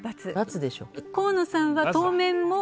河野さんは当面も。